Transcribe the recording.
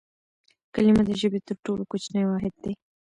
کلیمه د ژبي تر ټولو کوچنی واحد دئ.